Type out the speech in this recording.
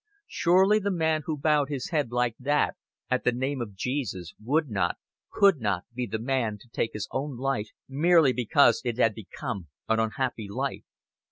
Surely the man who bowed his head like that at the name of Jesus would not, could not, be the man to take his own life merely because it had become an unhappy life.